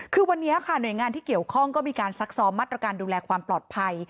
คือวันนี้ค่ะหน่วยงานที่เกี่ยวข้องก็มีการซักซ้อมมาตรการดูแลความปลอดภัย